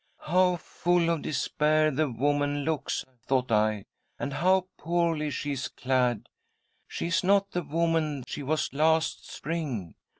"' How full of despair the woman looks,' thought I, ' and how poorly she is clad. She is not the woman she was last spring.'